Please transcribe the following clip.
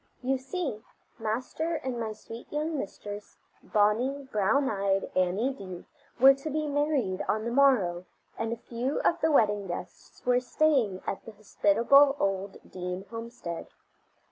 You see, Master and my sweet young mistress, bonny, brown eyed Annie Dee, were to be married on the morrow, and a few of the wedding guests were staying at the hospitable old Dee homestead.